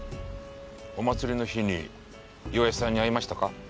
お祭りの日に岩井さんに会いましたか？